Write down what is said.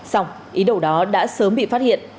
xong ý đồ đó đã sớm bị phát hiện